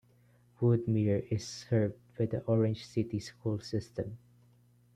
Woodmere is served by the Orange City School System.